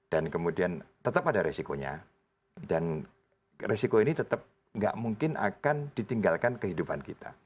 dan kemudian tetap ada risikonya dan risiko ini tetap nggak mungkin akan ditinggalkan kehidupan kita